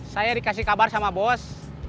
saya dikasih kabar sama bos